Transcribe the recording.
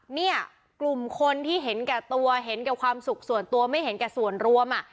เนี่ยกลุ่มคนที่เห็นแก่ตัวเห็นแก่ความสุขส่วนตัวไม่เห็นแก่ส่วนรวม